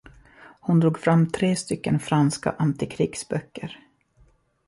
Hon drog fram tre stycken franska antikrigsböcker.